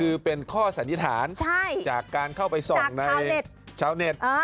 คือเป็นข้อสันนิษฐานจากการเข้าไปส่องในชาวเน็ต